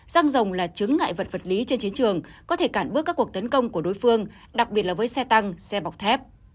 răng rồng là chứng ngại vật lý trên chiến trường có thể cản bước các cuộc tấn công của đối phương đặc biệt là với xe tăng xe bọc thép